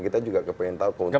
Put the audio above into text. kita juga ingin tahu keuntungan